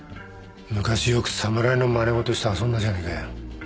昔よく侍のまね事して遊んだじゃねぇかよ